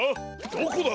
どこだ？